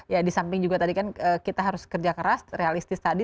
ya di samping juga tadi kan kita harus kerja keras realistis tadi